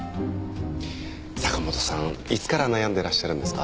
坂本さんいつから悩んでらっしゃるんですか？